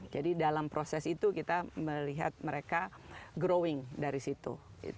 jadi dalam proses itu kita melihat mereka growing dari situ